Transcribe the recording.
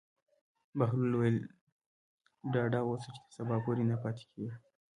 بهلول وویل: ډاډه اوسه چې تر سبا پورې نه پاتې کېږي.